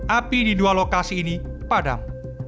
api di dua lokasi ini padam